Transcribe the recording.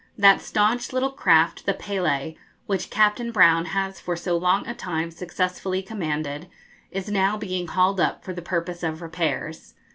That staunch little craft the "Pele," which Capt. Brown has for so long a time successfully commanded, is now being hauled up for the purpose of repairs.